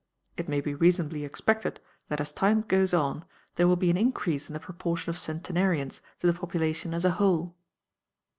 It may be reasonably expected that as time goes on there will be an increase in the proportion of centenarians to the population as a whole.